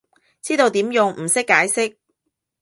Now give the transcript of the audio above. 知道點用，唔識解釋